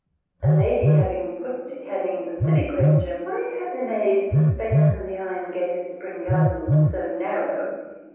A lady having put to Canning the silly question, " Why have they made the spaces in the iron gate at Spring Gardens * so narrow